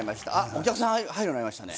お客さん入るようになりましたね。